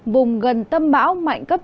vùng gần tâm bão mạnh cấp chín